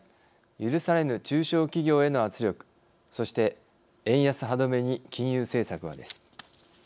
許されぬ中小企業への圧力そして円安歯止めに金融政策は、です。